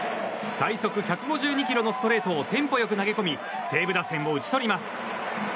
最速１５２キロのストレートをテンポ良く投げ込み西武打線を打ち取ります。